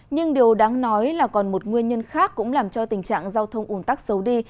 nhưng điều đáng nói là còn một nguyên nhân khác cũng làm cho tình trạng giao thông ủn tắc xấu đi